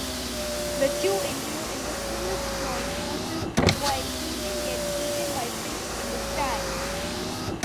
The two industrialists join forces while Julian gets eaten by pigs in the sty.